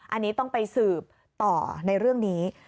อันนี้ต้องไปสืบต่อในเรื่องนี้